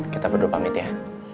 kita berdua pamit ya